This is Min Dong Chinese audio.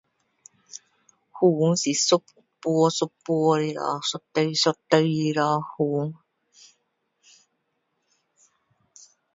云是一朵一朵的咯一堆一堆的咯的咯云